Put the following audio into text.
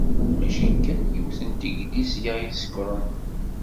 Mačči kan yiwet n teglisya i sekkṛen.